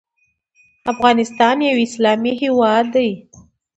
افغانستان یو اسلامې هیواد ده